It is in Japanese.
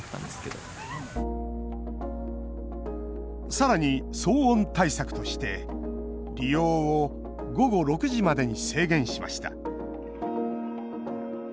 さらに騒音対策として利用を午後６時までに制限しました。